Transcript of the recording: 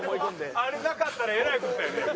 あれなかったらえらい事やね。